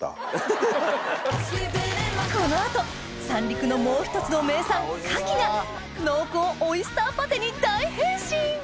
この後三陸のもう一つの名産牡蠣が濃厚オイスターパテに大変身！